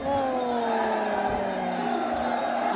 โอ้โห